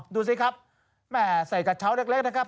ดูสิครับแม่ใส่กระเช้าเล็กนะครับ